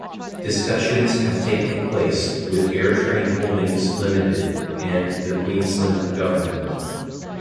Discussions have taken place with Airtrain Holdings Limited and the Queensland Government.